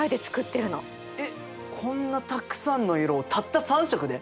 えこんなたくさんの色をたった３色で？